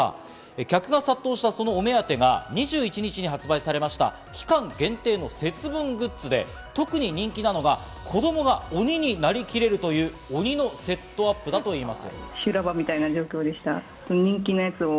客が殺到した、そのお目当てが２１日に発売された期間限定の節分グッズで、特に人気なのが子供が鬼になりきれるという「鬼のセットアップ」だといいます。